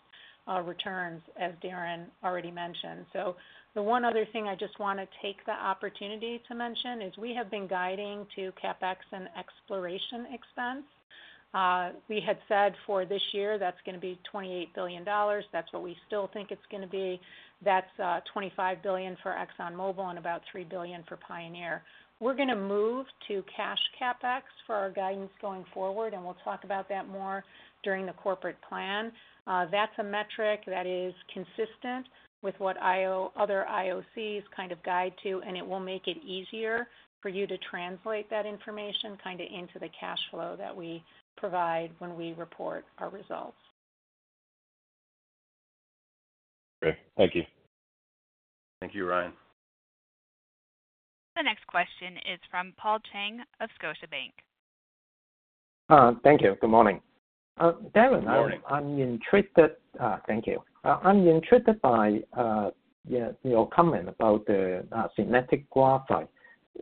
returns, as Darren already mentioned. So the one other thing I just want to take the opportunity to mention is we have been guiding to CapEx and exploration expense. We had said for this year that's going to be $28 billion. That's what we still think it's going to be. That's $25 billion for ExxonMobil and about $3 billion for Pioneer. We're going to move to cash CapEx for our guidance going forward, and we'll talk about that more during the corporate plan. That's a metric that is consistent with what other IOCs kind of guide to, and it will make it easier for you to translate that information kind of into the cash flow that we provide when we report our results. Great. Thank you. Thank you, Ryan. The next question is from Paul Cheng of Scotiabank. Thank you. Good morning. Good morning. Darren. I'm interested. Thank you. I'm interested by your comment about the synthetic graphite.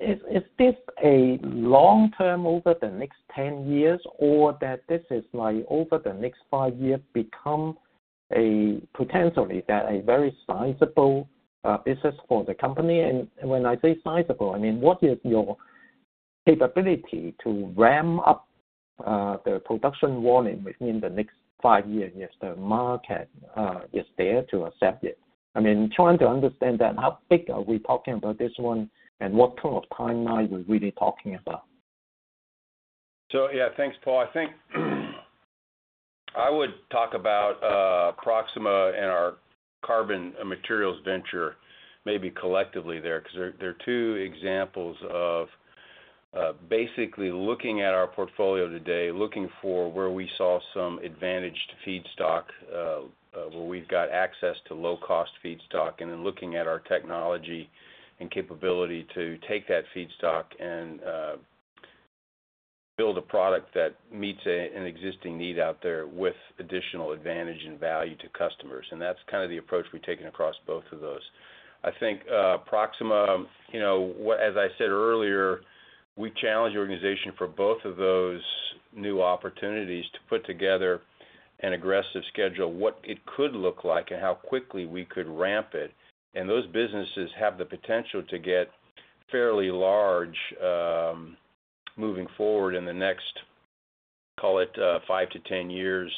Is this a long term over the next 10 years or that this is like over the next five years become potentially a very sizable business for the company? And when I say sizable, I mean what is your capability to ramp up the production volume within the next five years if the market is there to accept it? I mean, trying to understand that, how big are we talking about this one and what kind of timeline we're really talking about? Yeah, thanks, Paul. I think I would talk about Proxima and our carbon materials venture maybe collectively there because they're two examples of basically looking at our portfolio today, looking for where we saw some advantaged feedstock where we've got access to low-cost feedstock, and then looking at our technology and capability to take that feedstock and build a product that meets an existing need out there with additional advantage and value to customers. That's kind of the approach we've taken across both of those. I think Proxima, as I said earlier, we challenge the organization for both of those new opportunities to put together an aggressive schedule, what it could look like, and how quickly we could ramp it. Those businesses have the potential to get fairly large moving forward in the next, call it, 5-10 years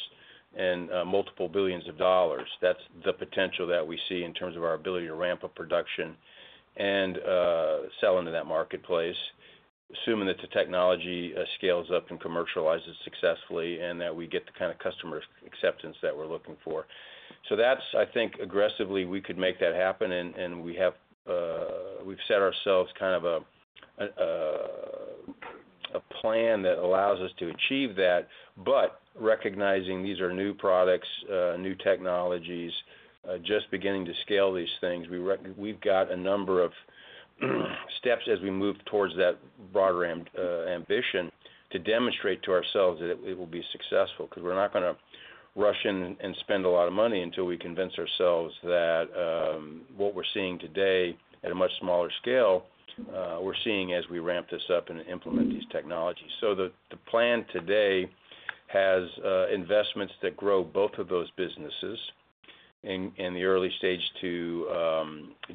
and multiple $ billions. That's the potential that we see in terms of our ability to ramp up production and sell into that marketplace, assuming that the technology scales up and commercializes successfully and that we get the kind of customer acceptance that we're looking for. So that's, I think, aggressively we could make that happen. And we've set ourselves kind of a plan that allows us to achieve that. But recognizing these are new products, new technologies, just beginning to scale these things, we've got a number of steps as we move towards that broader ambition to demonstrate to ourselves that it will be successful because we're not going to rush in and spend a lot of money until we convince ourselves that what we're seeing today at a much smaller scale, we're seeing as we ramp this up and implement these technologies. The plan today has investments that grow both of those businesses in the early stage to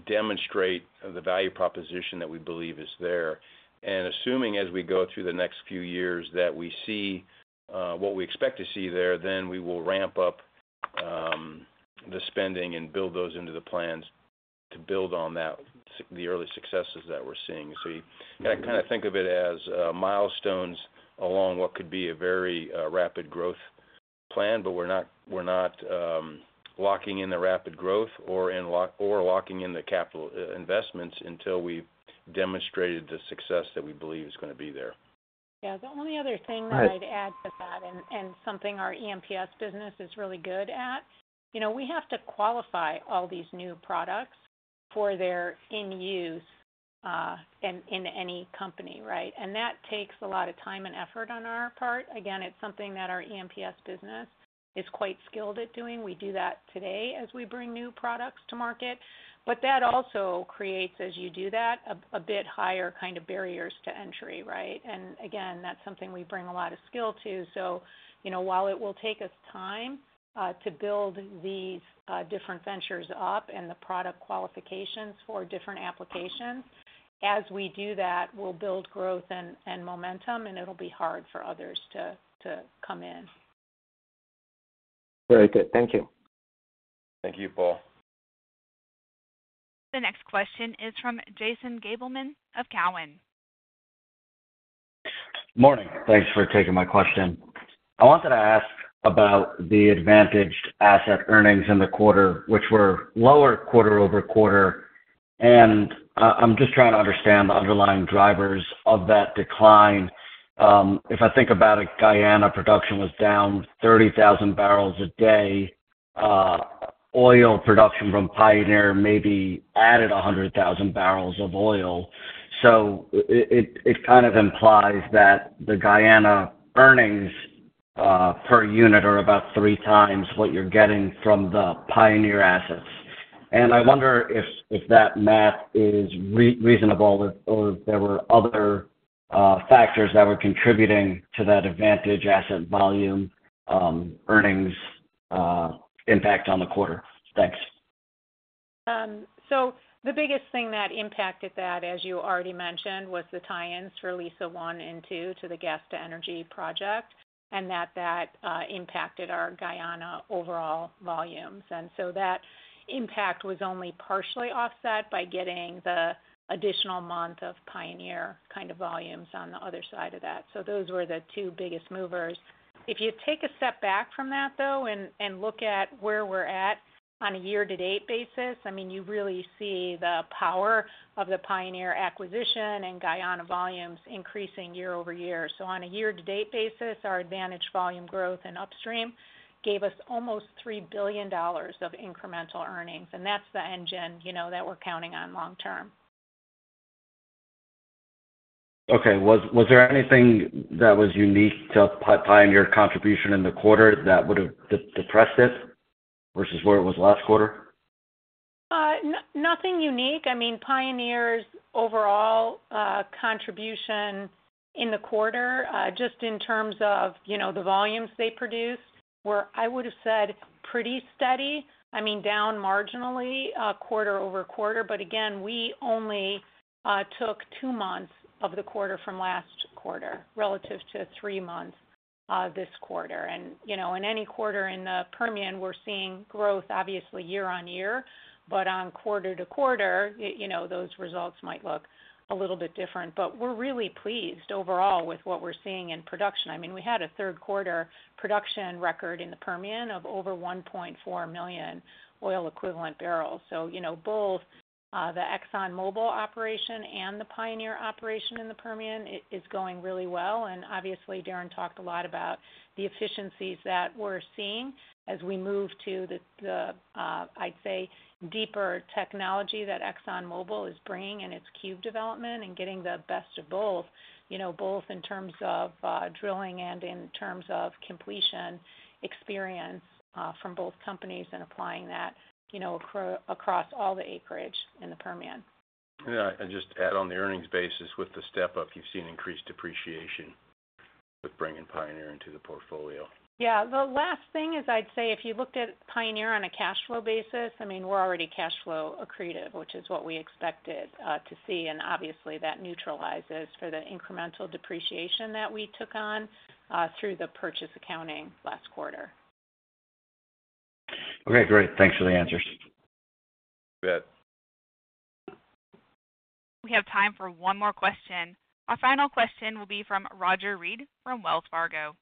demonstrate the value proposition that we believe is there. Assuming as we go through the next few years that we see what we expect to see there, then we will ramp up the spending and build those into the plans to build on the early successes that we're seeing. You kind of think of it as milestones along what could be a very rapid growth plan, but we're not locking in the rapid growth or locking in the capital investments until we've demonstrated the success that we believe is going to be there. Yeah. The only other thing that I'd add to that and something our EMPS business is really good at, we have to qualify all these new products for their use in any company, right? And that takes a lot of time and effort on our part. Again, it's something that our EMPS business is quite skilled at doing. We do that today as we bring new products to market. But that also creates, as you do that, a bit higher kind of barriers to entry, right? And again, that's something we bring a lot of skill to. So while it will take us time to build these different ventures up and the product qualifications for different applications, as we do that, we'll build growth and momentum, and it'll be hard for others to come in. Very good. Thank you. Thank you, Paul. The next question is from Jason Gabelman of Cowen. Morning. Thanks for taking my question. I wanted to ask about the advantaged asset earnings in the quarter, which were lower quarter over quarter. And I'm just trying to understand the underlying drivers of that decline. If I think about it, Guyana production was down 30,000 bbl a day. Oil production from Pioneer maybe added 100,000 bbl of oil. So it kind of implies that the Guyana earnings per unit are about 3x what you're getting from the Pioneer assets. And I wonder if that math is reasonable or if there were other factors that were contributing to that advantaged asset volume earnings impact on the quarter. Thanks. So the biggest thing that impacted that, as you already mentioned, was the tie-ins for Liza phase I and II to the gas-to-energy project, and that that impacted our Guyana overall volumes. And so that impact was only partially offset by getting the additional month of Pioneer kind of volumes on the other side of that. So those were the two biggest movers. If you take a step back from that, though, and look at where we're at on a year-to-date basis, I mean, you really see the power of the Pioneer acquisition and Guyana volumes increasing year-over-year. So on a year-to-date basis, our advantage volume growth and Upstream gave us almost $3 billion of incremental earnings. And that's the engine that we're counting on long term. Okay. Was there anything that was unique to Pioneer contribution in the quarter that would have depressed it versus where it was last quarter? Nothing unique. I mean, Pioneer's overall contribution in the quarter, just in terms of the volumes they produced, where I would have said pretty steady, I mean, down marginally quarter over quarter, but again, we only took two months of the quarter from last quarter relative to three months this quarter, and in any quarter in the Permian, we're seeing growth, obviously, year on year, but on quarter to quarter, those results might look a little bit different, but we're really pleased overall with what we're seeing in production. I mean, we had a third quarter production record in the Permian of over 1.4 million oil-equivalent barrels, so both the ExxonMobil operation and the Pioneer operation in the Permian is going really well. Obviously, Darren talked a lot about the efficiencies that we're seeing as we move to the, I'd say, deeper technology that ExxonMobil is bringing in its Cube Development and getting the best of both, both in terms of drilling and in terms of completion experience from both companies and applying that across all the acreage in the Permian. Yeah. I'd just add on the earnings basis with the step-up, you've seen increased depreciation with bringing Pioneer into the portfolio. Yeah. The last thing is I'd say if you looked at Pioneer on a cash flow basis, I mean, we're already cash flow accretive, which is what we expected to see. And obviously, that neutralizes for the incremental depreciation that we took on through the purchase accounting last quarter. Okay. Great. Thanks for the answers. Good. We have time for one more question. Our final question will be from Roger Read from Wells Fargo.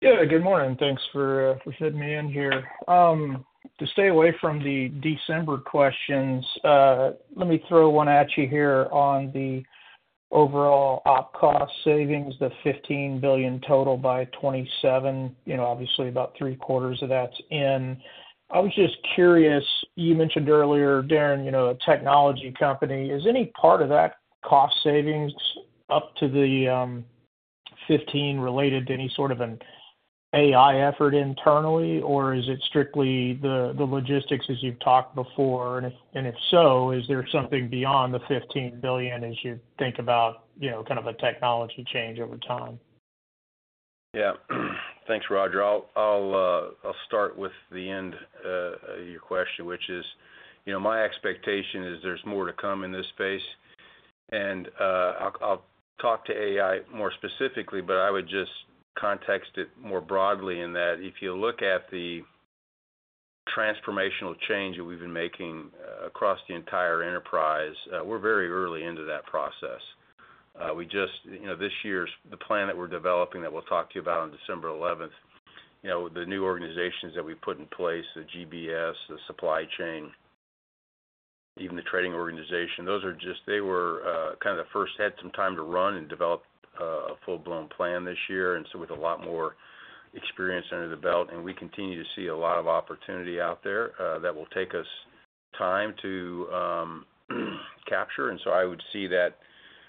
Yeah. Good morning. Thanks for fitting me in here. To stay away from the December questions, let me throw one at you here on the overall op cost savings, the $15 billion total by 2027. Obviously, about three-quarters of that's in. I was just curious. You mentioned earlier, Darren, a technology company. Is any part of that cost savings up to the $15 billion related to any sort of an AI effort internally, or is it strictly the logistics as you've talked before? And if so, is there something beyond the $15 billion as you think about kind of a technology change over time? Yeah. Thanks, Roger. I'll start with the end of your question, which is my expectation is there's more to come in this space. And I'll talk to AI more specifically, but I would just context it more broadly in that if you look at the transformational change that we've been making across the entire enterprise, we're very early into that process. This year, the plan that we're developing that we'll talk to you about on December 11th, the new organizations that we've put in place, the GBS, the supply chain, even the trading organization, those are just they were kind of the first, had some time to run and develop a full-blown plan this year. And so with a lot more experience under the belt, and we continue to see a lot of opportunity out there that will take us time to capture. And so I would see that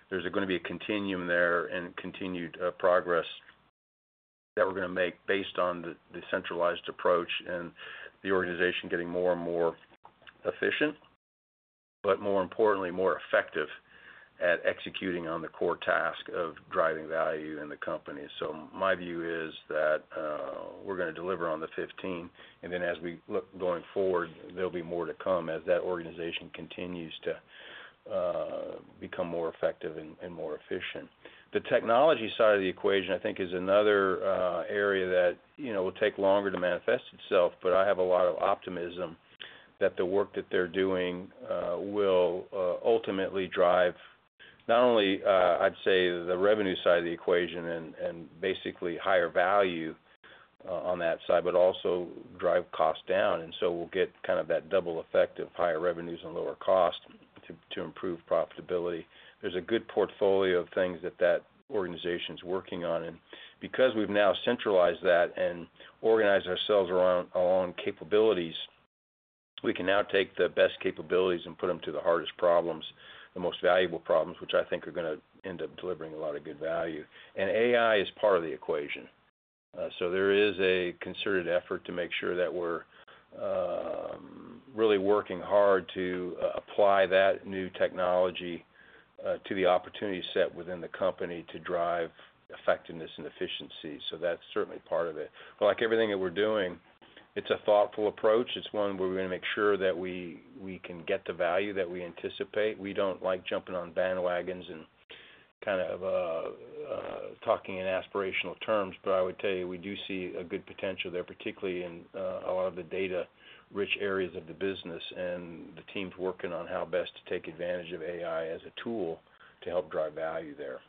there's going to be a continuum there and continued progress that we're going to make based on the centralized approach and the organization getting more and more efficient, but more importantly, more effective at executing on the core task of driving value in the company. So my view is that we're going to deliver on the 2015. And then as we look going forward, there'll be more to come as that organization continues to become more effective and more efficient. The technology side of the equation, I think, is another area that will take longer to manifest itself. But I have a lot of optimism that the work that they're doing will ultimately drive not only, I'd say, the revenue side of the equation and basically higher value on that side, but also drive costs down. And so we'll get kind of that double effect of higher revenues and lower costs to improve profitability. There's a good portfolio of things that organization's working on. And because we've now centralized that and organized ourselves along capabilities, we can now take the best capabilities and put them to the hardest problems, the most valuable problems, which I think are going to end up delivering a lot of good value. And AI is part of the equation. So there is a concerted effort to make sure that we're really working hard to apply that new technology to the opportunity set within the company to drive effectiveness and efficiency. So that's certainly part of it. But like everything that we're doing, it's a thoughtful approach. It's one where we're going to make sure that we can get the value that we anticipate. We don't like jumping on bandwagons and kind of talking in aspirational terms, but I would tell you we do see a good potential there, particularly in a lot of the data-rich areas of the business and the teams working on how best to take advantage of AI as a tool to help drive value there.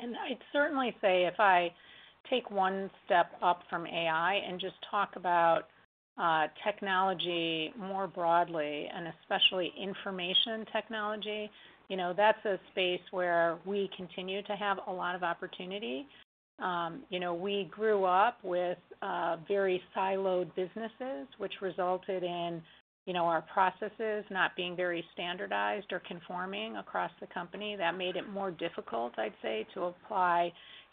And I'd certainly say if I take one step up from AI and just talk about technology more broadly, and especially information technology, that's a space where we continue to have a lot of opportunity. We grew up with very siloed businesses, which resulted in our processes not being very standardized or conforming across the company. That made it more difficult, I'd say, to apply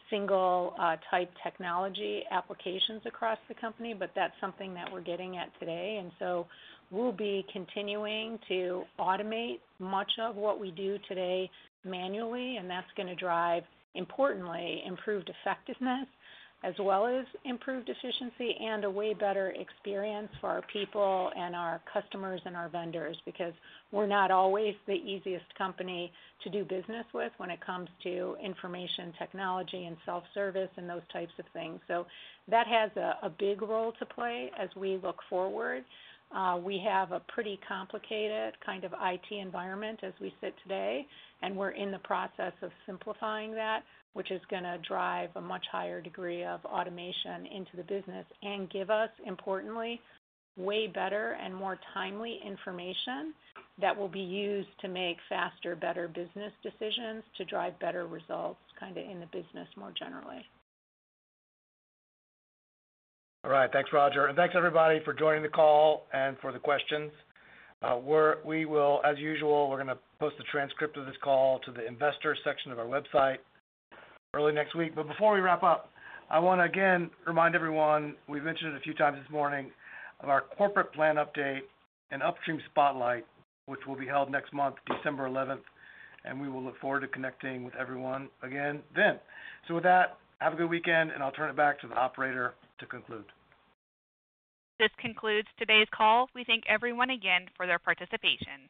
single-type technology applications across the company. But that's something that we're getting at today. And so we'll be continuing to automate much of what we do today manually. And that's going to drive, importantly, improved effectiveness as well as improved efficiency and a way better experience for our people and our customers and our vendors because we're not always the easiest company to do business with when it comes to information technology and self-service and those types of things. So that has a big role to play as we look forward. We have a pretty complicated kind of IT environment as we sit today. And we're in the process of simplifying that, which is going to drive a much higher degree of automation into the business and give us, importantly, way better and more timely information that will be used to make faster, better business decisions to drive better results kind of in the business more generally. All right. Thanks, Roger. And thanks, everybody, for joining the call and for the questions. As usual, we're going to post the transcript of this call to the investor section of our website early next week. But before we wrap up, I want to, again, remind everyone, we've mentioned it a few times this morning, of our corporate plan update and Upstream Spotlight, which will be held next month, December 11th. And we will look forward to connecting with everyone again then. So with that, have a good weekend, and I'll turn it back to the operator to conclude. This concludes today's call. We thank everyone again for their participation.